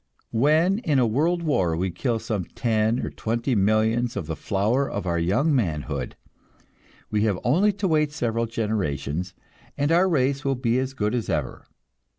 When in a world war we kill some ten or twenty millions of the flower of our young manhood, we have only to wait several generations, and our race will be as good as ever.